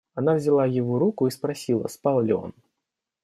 Она взяла его руку и спросила, спал ли он.